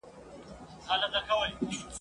عقل چي پردی سي له زمان سره به څه کوو ..